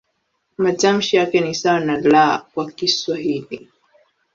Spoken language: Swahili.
Matamshi yake ni sawa na "L" kwa Kiswahili.